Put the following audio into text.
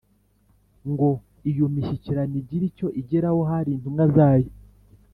ngo iyo mishyikirano igire icyo igeraho Hari intumwa zayo